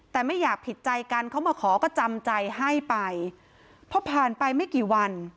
แต่ไม่อยากผิดใจกันเขามาขอก็จำใจให้ไปพอผ่านไปไม่กี่วัน